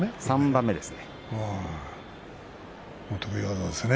３番目です。